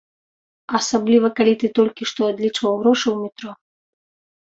Асабліва калі ты толькі што адлічваў грошы ў метро.